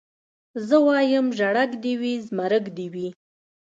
زه وايم ژړک دي وي زمرک دي وي